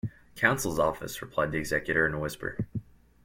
'Counsel’s Office,’ replied the executor in a whisper.